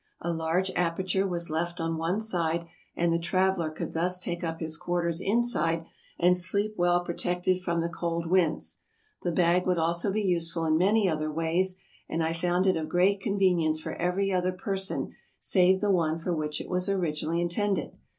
A large aperture was left on one side, and the traveler could thus take up his quarters inside and sleep well protected from the cold winds. The bag would also be useful in many other ways, and I found it of great convenience for every other purpose save the one for which it was originally intended.